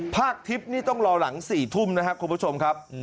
ทิพย์นี่ต้องรอหลัง๔ทุ่มนะครับคุณผู้ชมครับ